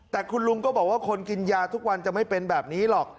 แต่คุณลุงก็บอกว่าคนกินยาทุกวันจะไม่เป็นแบบนี้หรอก